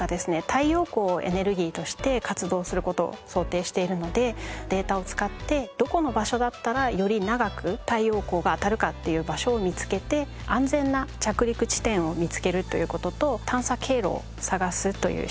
太陽光をエネルギーとして活動する事を想定しているのでデータを使ってどこの場所だったらより長く太陽光が当たるかっていう場所を見つけて安全な着陸地点を見つけるという事と探査経路を探すという仕事をしています。